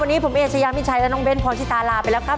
วันนี้ผมเอเชยามิชัยและน้องเบ้นพรชิตาลาไปแล้วครับ